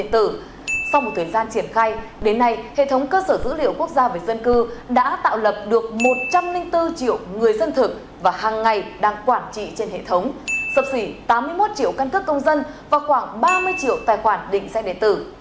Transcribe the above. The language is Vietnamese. trong đó thì cơ sở dữ liệu quốc gia về dân cư đã tạo lập được một trăm linh bốn triệu người dân thực và hàng ngày đang quản trị trên hệ thống sập xỉ tám mươi một triệu căn cước công dân và khoảng ba mươi triệu tài khoản định xe đề tử